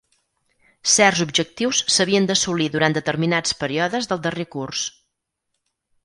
Certs objectius s'havien d'assolir durant determinats períodes del darrer curs.